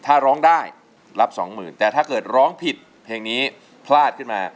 ถ้าร้องได้รับสองหมื่นแต่ถ้าเกิดร้องผิดเพลงนี้พลาดขึ้นมา